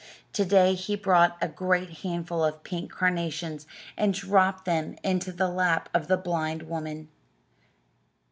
To day he brought a great handful of pink carnations and dropped them into the lap of the blind woman.